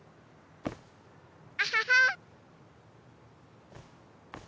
アハハ。